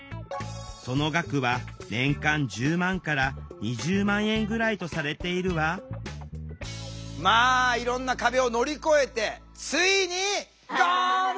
その額は年間１０万から２０万円ぐらいとされているわまあいろんな壁を乗り越えてついにゴール！